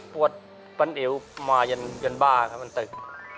ปวดฟันเอวมายันบ้าครับมันตึก